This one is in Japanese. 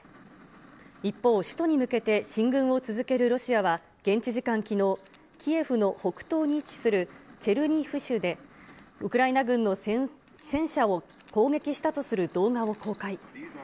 一方、首都に向けて進軍を続けるロシアは、現地時間きのう、キエフの北東に位置するチェルニヒウ州で、ウクライナ軍の戦車を攻撃したとする動画を公開。